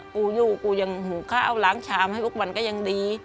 กูอยู่กูยังหูข้าวล้างชามให้ทุกวันก็ยังดี